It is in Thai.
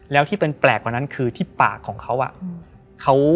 แล้วที่เป็นแปลกกว่านั้นคือที่ปากของเขา